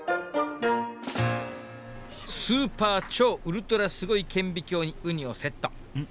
スーパー超ウルトラすごい顕微鏡にウニをセットんん？